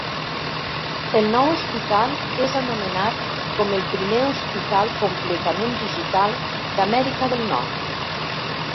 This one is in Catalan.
El nou hospital és anomenat com "el primer hospital completament digital d'Amèrica del Nord".